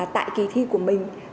tại kỳ thi của mình